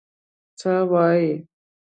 _څه وايي؟